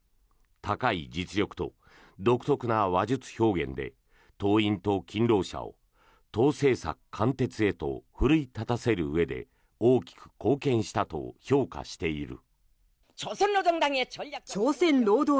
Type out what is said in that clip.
高い実力と独特な話術表現で党員と勤労者を党政策貫徹へと奮い立たせるうえで大きく貢献したと評価している。